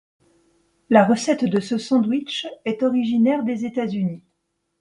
La recette de ce sandwich est originaire des États-Unis.